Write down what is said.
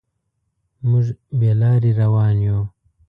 موږ بې لارې روان یو.